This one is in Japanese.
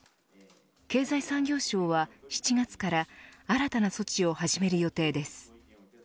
経済産業省は７月から新たな措置を始める予定です。